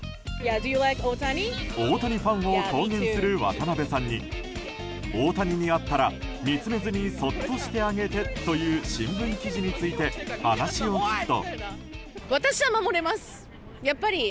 大谷ファンを公言する渡辺さんに大谷に会ったら見つめずにそっとしてあげてという新聞記事について話を聞くと。